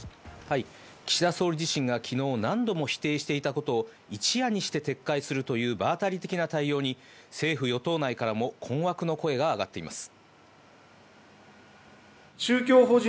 岸田総理自身が昨日何度も否定していたことを一夜にして撤回するという場当たり的な対応に政府与党内からも困惑の声が上がっています。